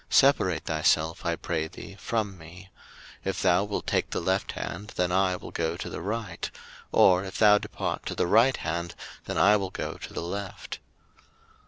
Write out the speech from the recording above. separate thyself, I pray thee, from me: if thou wilt take the left hand, then I will go to the right; or if thou depart to the right hand, then I will go to the left.